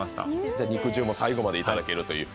じゃあ、肉汁も最後までいただけるという。